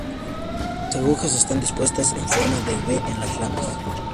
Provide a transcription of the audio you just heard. Las agujas están dispuestas en forma de V en las ramas.